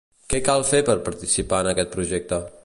Què cal fer per participar en aquest projecte?